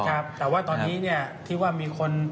นะฮะแต่ว่าตอนนี้ที่ว่ามีคน